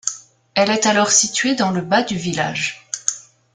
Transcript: Elle est alors située dans le bas du village.